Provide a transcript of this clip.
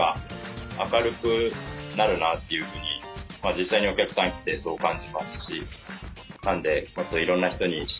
実際にお客さん来てそう感じますし。